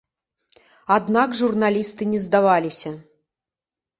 Аднак журналісты не здаваліся.